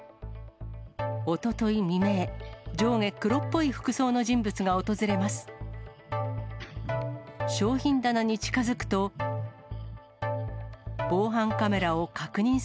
おととい未明、上下黒っぽい服装の人物が訪れます。